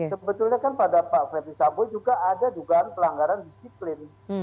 sebetulnya kan pada pak fethi sabo juga ada juga pelanggaran disiplin